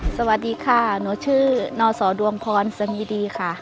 สวัสดีค่ะหนูชื่อนสดวงพรสงีดีค่ะ